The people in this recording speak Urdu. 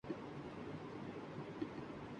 انہیں یہ بات سمجھ نہیں آتی کہ ہر ایک کا اپنا کام ہے۔